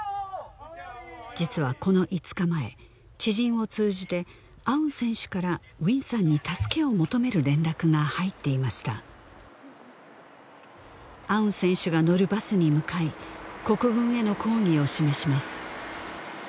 実はこの５日前知人を通じてアウン選手からウィンさんに助けを求める連絡が入っていましたアウン選手が乗るバスに向かい国軍への抗議を示します